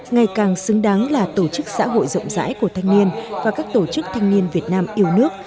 ngày càng xứng đáng là tổ chức xã hội rộng rãi của thanh niên và các tổ chức thanh niên việt nam yêu nước